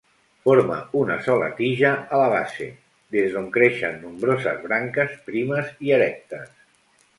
Forma una sola tija a la base, des d'on creixen nombroses branques primes i erectes.